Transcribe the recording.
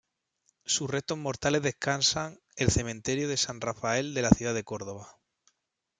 Sus restos mortales descansan el cementerio de San Rafael de la ciudad de Córdoba.